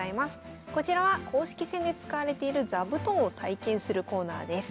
こちらは公式戦で使われている座布団を体験するコーナーです。